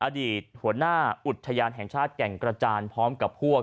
อดีตหัวหน้าอุทยานแห่งชาติแก่งกระจานพร้อมกับพวก